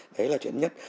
đấy là chuyện nhất